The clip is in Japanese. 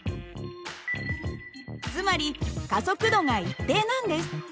つまり加速度が一定なんです。